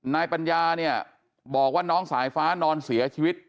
นายปัญญาเนี่ยบอกว่าน้องสายฟ้านอนเสียชีวิต